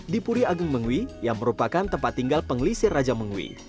di puri agung mengwi yang merupakan tempat tinggal pengisir raja menghui